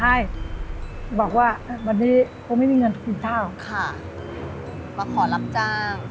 ให้บอกว่าอ่ะวันนี้เขาไม่มีเงินกินข้าวค่ะมาขอรับจ้าง